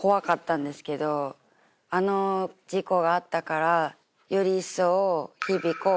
あの事故があったからより一層。